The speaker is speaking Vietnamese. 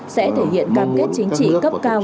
sẽ thể hiện cam kết chính trị cấp cao